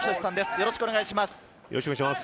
よろしくお願いします。